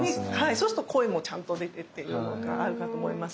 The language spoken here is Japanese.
そうすると声もちゃんと出てっていうのがあるかと思います。